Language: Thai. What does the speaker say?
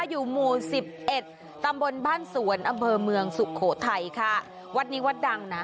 อยู่หมู่สิบเอ็ดตำบลบ้านสวนอำเภอเมืองสุโขทัยค่ะวัดนี้วัดดังนะ